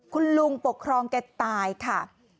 คุณลุงปกครองแกตายค่ะ